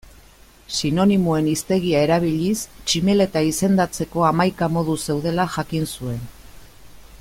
Sinonimoen hiztegia erabiliz tximeleta izendatzeko hamaika modu zeudela jakin zuen.